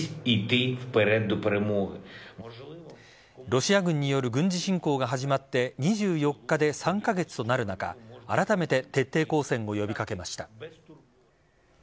ロシア軍による軍事侵攻が始まって２４日で３カ月となる中あらためて徹底抗戦を呼び掛けました。